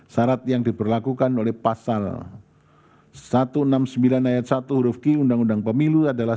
syarat yang diberlakukan oleh pasal satu ratus enam puluh sembilan ayat satu huruf q undang undang pemilu adalah